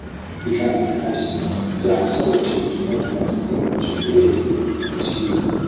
He drank and hastened down the solitude, Fleeing that thing which fleered him, and was Hugh.